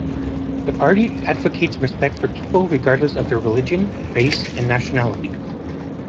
The party advocates respect for people regardless of their religion, race and nationality.